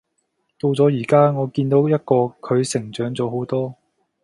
到咗而家，我見到一個佢成長咗好多